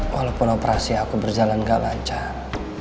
walaupun operasi aku berjalan gak lancar